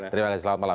terima kasih mas indra